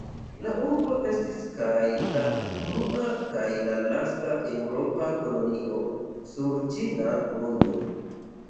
La urbo estis kaj la unua kaj la lasta eŭropa kolonio sur ĉina grundo.